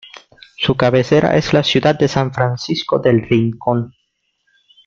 Su cabecera es la ciudad de San Francisco del Rincón.